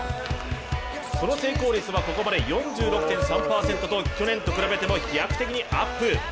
その成功率はここまで４６．３％と去年と比べても飛躍的にアップ。